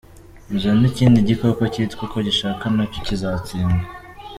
Muzane ikindi gikoko kitwa uko gishaka nacyo kizatsindwa.